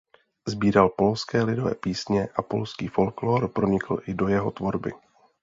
Sbíral polské lidové písně a polský folklór pronikl i do jeho tvorby.